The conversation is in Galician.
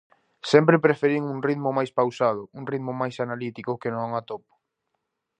Sempre preferín un ritmo máis pausado, un ritmo máis analítico que non atopo.